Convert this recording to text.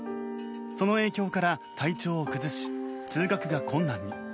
その影響から体調を崩し通学が困難に。